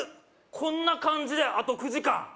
こんな感じであと９時間？